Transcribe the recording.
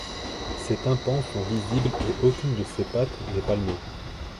Ses tympans sont visibles et aucune de ses pattes n'est palmée.